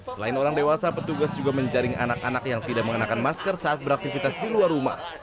selain orang dewasa petugas juga menjaring anak anak yang tidak mengenakan masker saat beraktivitas di luar rumah